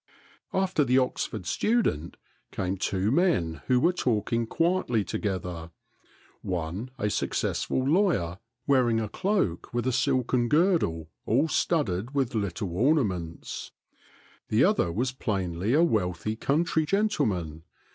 After the Oxford student came two men who were talking quietly together, one a successful lawyer, wear ing a cloak with a silken girdle all studded with little ornaments. The other was plainly a wealthy country gentleman.